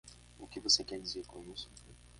O que você quer dizer com isso?